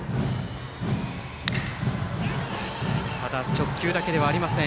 直球だけではありません。